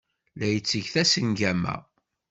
La yetteg tasengama.